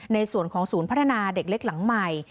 ในส่วนของศูนย์พัฒนาเด็กเล็กหลังใหม่